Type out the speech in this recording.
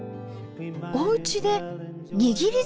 おうちでにぎりずし？